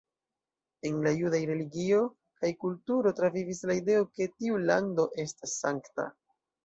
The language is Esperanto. En la judaj religio kaj kulturo travivis la ideo ke tiu lando estas sankta.